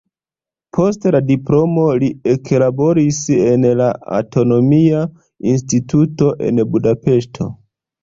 Post la diplomo li eklaboris en la anatomia instituto en Budapeŝto.